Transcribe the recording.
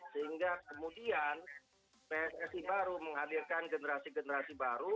sehingga kemudian pssi baru menghadirkan generasi generasi baru